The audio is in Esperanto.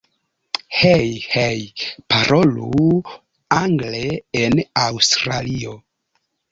Hej! Hej! Parolu angle en Aŭstralio!